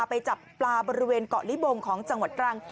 ไปจับปลาบริเวณเกาะลิบงของจังหวัดตรัง